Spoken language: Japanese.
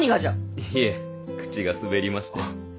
いえ口が滑りまして。